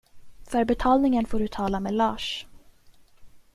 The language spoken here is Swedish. För betalningen får du tala med Lars.